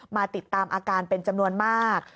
มาติดตามอาการเป็นจำนวนมาก